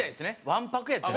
わんぱくやった。